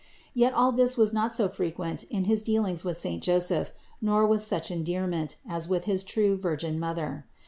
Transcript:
Yet all this was not so frequent in his dealings with saint Joseph, nor with such endearment, as with his true Virgin Mother.